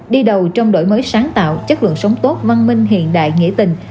đi đầu trong đổi mới sáng tạo chất lượng sống tốt văn minh hiện đại nghĩa tình